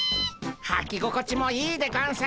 はきごこちもいいでゴンス。